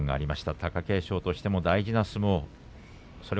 貴景勝としても大事な相撲を